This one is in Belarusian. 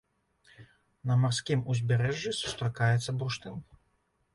На марскім узбярэжжы сустракаецца бурштын.